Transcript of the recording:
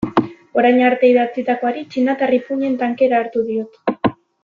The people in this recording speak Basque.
Orain arte idatzitakoari txinatar ipuin-en tankera hartu diot.